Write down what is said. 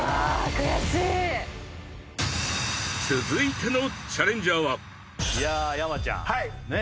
悔しい続いてのチャレンジャーはいや山ちゃんねえ